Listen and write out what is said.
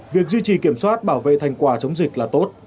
việc duy trì kiểm soát bảo vệ thành quả chống dịch là tốt